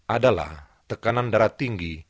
adalah tekanan darah tinggi